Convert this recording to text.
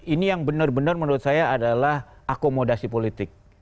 ini yang benar benar menurut saya adalah akomodasi politik